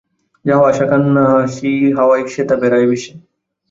যাওয়া-আসার কান্নাহাসি হাওয়ায় সেথা বেড়ায় ভেসে।